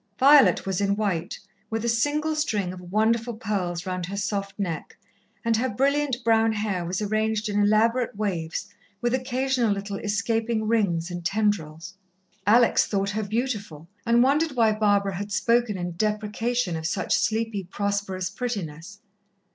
Violet was in white, with a single string of wonderful pearls round her soft neck, and her brilliant brown hair was arranged in elaborate waves, with occasional little escaping rings and tendrils. Alex thought her beautiful, and wondered why Barbara had spoken in deprecation of such sleepy, prosperous prettiness.